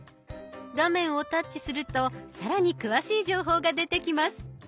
画面をタッチすると更に詳しい情報が出てきます。